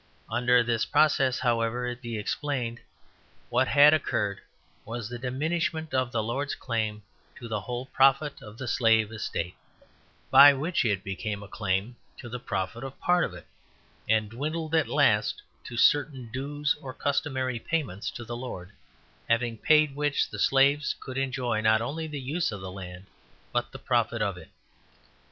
Under this process, however it be explained, what had occurred was the diminishment of the lords' claim to the whole profit of a slave estate, by which it became a claim to the profit of part of it, and dwindled at last to certain dues or customary payments to the lord, having paid which the slave could enjoy not only the use of the land but the profit of it.